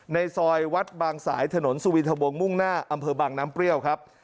ในซอยวัดบางสายถนนสุวินทะวงมุ่งหน้าอำเภอบางน้ำเปรี้ยวครับ